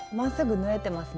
縫えてます。